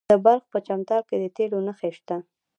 د بلخ په چمتال کې د تیلو نښې شته.